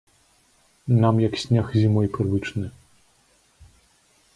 Нам як снег зімой прывычны.